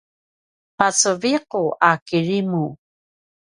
peceviqu a kirimu